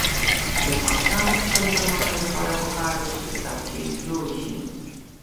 د افغانستان د اقتصادي پرمختګ لپاره پکار ده چې کتابچې جوړې شي.